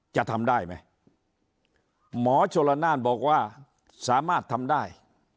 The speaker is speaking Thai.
จะทำได้ไหมหมอชลนานบอกว่าสามารถทำได้